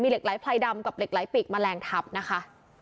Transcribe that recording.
เหล็กไหลไพรดำกับเหล็กไหลปีกแมลงทับนะคะ